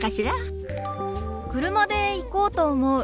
車で行こうと思う。